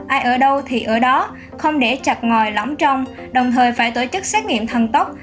ai ở đâu thì ở đó không để chặt ngòi lỏng trong đồng thời phải tổ chức xét nghiệm thần tốc